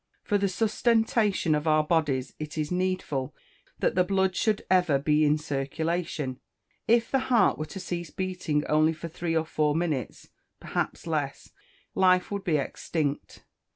For the sustentation of our bodies it is needful that the blood should ever be in circulation. If the heart were to cease beating only for three or four minutes (perhaps less) life would be extinct.